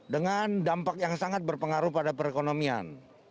dengan dampak yang sangat berpengaruh pada perekonomian